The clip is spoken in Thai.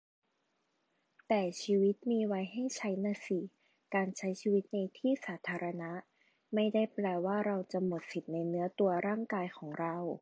แต่ชีวิตมีไว้ให้ใช้น่ะสิ การใช้ชีวิตในที่สาธารณะ ไม่ได้แปลว่าเราจะหมดสิทธิในเนื้อตัวร่างกายของเรา